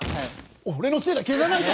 俺のせいだ消さないと！